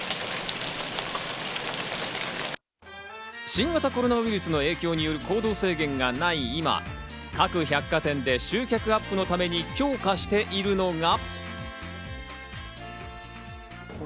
新型コロナウイルスの影響による行動制限がない今、各百貨店で集客アップのため強化しているのが。